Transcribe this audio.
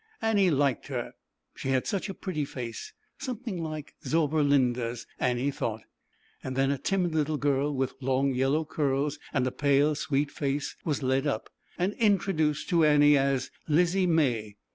Annie liked her, she had such a pretty face; something like Zauberlinda's, Annie thought. Then a timid little girl with long yellow curls and a pale sweet face was led up and introduced to Annie as Lizzie May.